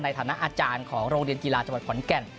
ในฐานะอาจารย์ของโรงเรียนกีฬาจังหวัดขอนแก่น